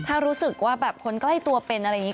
ถ้ารู้สึกว่าแบบคนใกล้ตัวเป็นอะไรอย่างนี้